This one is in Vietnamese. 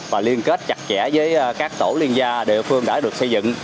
và liên kết chặt chẽ với các tổ liên gia địa phương đã được xây dựng